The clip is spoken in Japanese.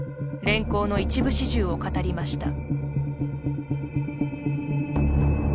連行の一部始終を語りました。